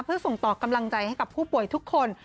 เพื่อส่งต่อกำลังใจให้กับผู้ป่วยทุกคน